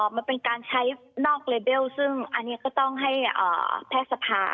มันเป็นการใช้นอกเลเบลซึ่งอันนี้ก็ต้องให้แพทย์สภา